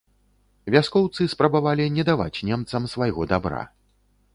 Вяскоўцы спрабавалі не даваць немцам свайго дабра.